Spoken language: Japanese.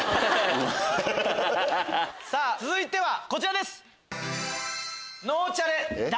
続いてはこちらです！